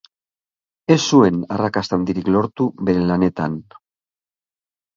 Ez zuen arrakasta handirik lortu bere lanetan.